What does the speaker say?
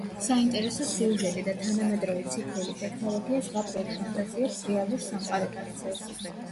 საინტერესო სიუჟეტი და თანამედროვე ციფრული ტექნოლოგია ზღაპრულ ფანტაზიებს რეალურ სამყაროდ აქცევს.